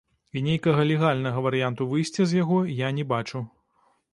І нейкага легальнага варыянту выйсця з яго я не бачу.